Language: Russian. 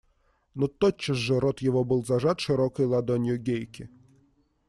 Но тотчас же рот его был зажат широкой ладонью Гейки.